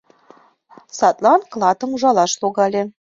Садлан клатым ужалаш логале.